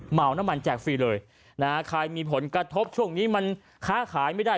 เห่าน้ำมันแจกฟรีเลยนะฮะใครมีผลกระทบช่วงนี้มันค้าขายไม่ได้